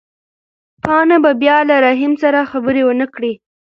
پاڼه به بیا له رحیم سره خبرې ونه کړي.